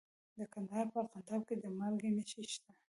د کندهار په ارغنداب کې د مالګې نښې شته.